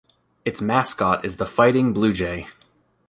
Its mascot is the Fighting Bluejay.